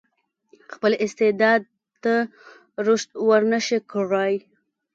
خپل استعداد ته رشد ورنه شي کړای.